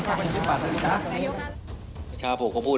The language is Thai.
แล้วเขาจะทบทวนมติของพัก